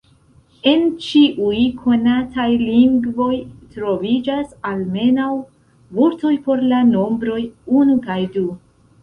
En ĉiuj konataj lingvoj troviĝas almenaŭ vortoj por la nombroj unu kaj du.